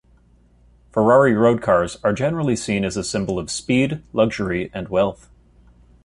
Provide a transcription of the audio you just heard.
Ferrari road cars are generally seen as a symbol of speed, luxury and wealth.